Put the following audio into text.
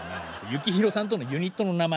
幸宏さんとのユニットの名前ね。